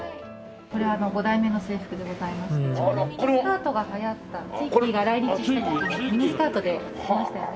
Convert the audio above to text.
これは５代目の制服でございましてちょうどミニスカートがはやったツイッギーが来日してミニスカートで来ましたよね。